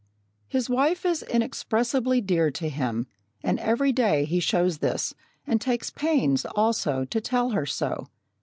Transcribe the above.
His wife is inexpressibly dear to him, and every day he shows this, and takes pains, also, to tell her so.